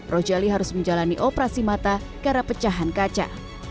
rojali harus menjalani operasi mata karena pecahan kaca